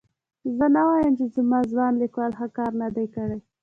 زه نه وایم چې زموږ ځوان لیکوال ښه کار نه دی کړی.